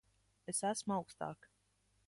Es esmu augstāk.